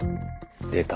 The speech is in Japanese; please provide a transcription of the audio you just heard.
出た。